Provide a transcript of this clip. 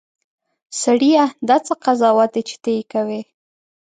سړیه! دا څه قضاوت دی چې ته یې کوې.